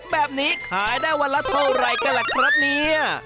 แบบนี้ขายได้วันละเท่าไหร่กันล่ะครับเนี่ย